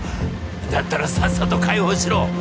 だったらさっさと解放しろ。